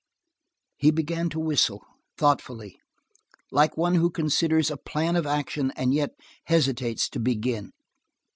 He began to whistle, thoughtfully, like one who considers a plan of action and yet hesitates to begin.